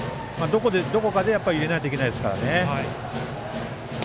どこかで入れないといけないですからね。